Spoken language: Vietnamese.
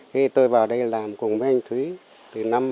thì tôi vào đây làm cùng với anh thúy từ năm hai nghìn ba